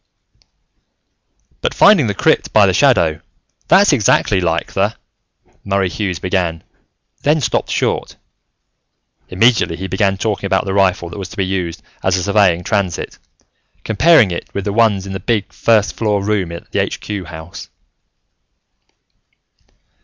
"But, finding the crypt by the shadow, that's exactly like the " Murray Hughes began, then stopped short. Immediately, he began talking about the rifle that was to be used as a surveying transit, comparing it with the ones in the big first floor room at the Aitch Cue House.